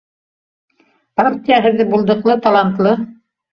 Партия һеҙҙе булдыҡлы, талантлы